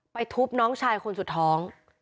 ทุบน้องชายคนสุดท้อง